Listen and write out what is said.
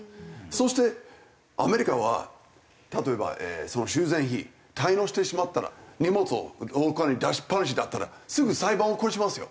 そしてアメリカは例えばその修繕費滞納してしまったら荷物を廊下に出しっ放しだったらすぐ裁判を起こしますよ。